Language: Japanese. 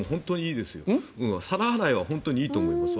皿洗いは本当にいいと思いますよ。